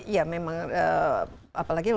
ya memang apalagi